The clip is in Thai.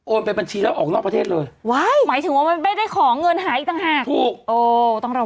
โอนไปบัญชีแล้วออกนอกประเทศเลยไว้หมายถึงว่ามันไม่ได้ของเงินหายอีกต่างหาก